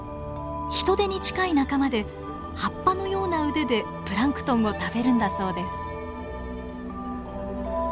ヒトデに近い仲間で葉っぱのような腕でプランクトンを食べるんだそうです。